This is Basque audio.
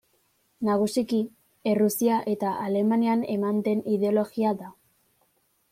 Nagusiki, Errusia eta Alemanian eman den ideologia da.